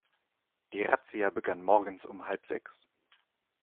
Die Razzia begann morgens um halb sechs.